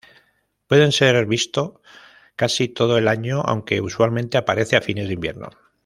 Pueden ser visto casi todo el año, aunque usualmente, aparecen a fines de invierno.